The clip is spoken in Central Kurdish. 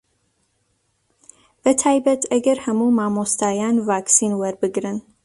بەتایبەت ئەگەر هەموو مامۆستایان ڤاکسین وەربگرن